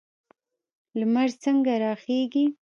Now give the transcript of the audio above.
لمر څنګه راخیږي؟